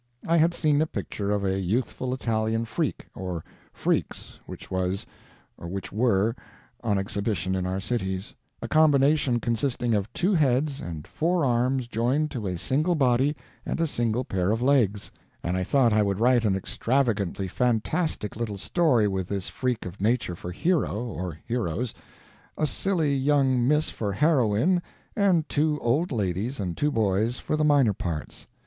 I had seen a picture of a youthful Italian "freak" or "freaks" which was or which were on exhibition in our cities a combination consisting of two heads and four arms joined to a single body and a single pair of legs and I thought I would write an extravagantly fantastic little story with this freak of nature for hero or heroes a silly young miss for heroine, and two old ladies and two boys for the minor parts.